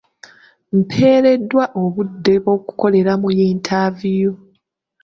Mpeereddwa obudde bw'okukoleramu yintaviyu.